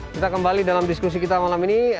kita kembali dalam diskusi kita malam ini